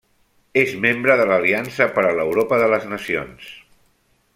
És membre de l'Aliança per l'Europa de les Nacions.